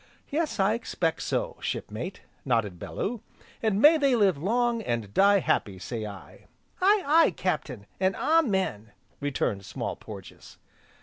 "Yes, I expect so, Shipmate," nodded Bellew, "and may they live long, and die happy, say I." "Aye, aye, Captain, an' Amen!" returned Small Porges.